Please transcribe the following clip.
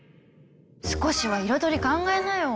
少しは彩り考えなよ。